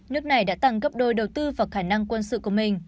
nước này đã tăng gấp đôi đầu tư vào khả năng quân sự của mình